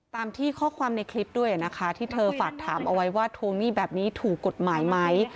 ตามที่ข้อความในคลิปด้วยนะคะที่เธอฝากถามเอาไว้ว่าทวงหนี้แบบนี้ถูกกฎหมายไหม